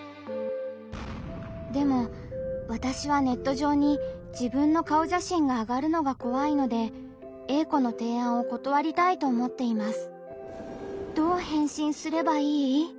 でもわたしはネット上に自分の顔写真があがるのが怖いのでＡ子の提案を断りたいと思っています。